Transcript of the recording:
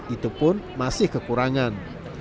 itu pun masih kekurangan